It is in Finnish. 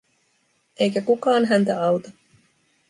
Eikä kukaan häntä auta.